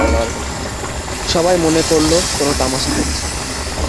সবাই মনে করল কোনো-তামাশা হচ্ছে।